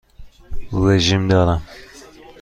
رژیم دارم.